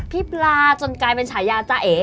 ปลาจนกลายเป็นฉายาจ้าเอ๋